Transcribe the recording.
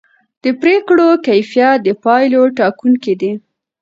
د پرېکړو کیفیت د پایلو ټاکونکی دی